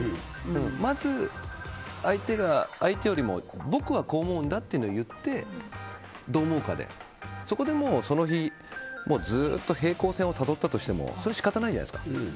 まず、相手よりも僕はこう思うんだというのを言ってどう思うかで、そこでその日ずっと平行線をたどったとしてもそれは仕方ないじゃないですか。